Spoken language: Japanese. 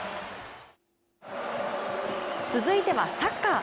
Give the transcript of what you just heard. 続いてはサッカー。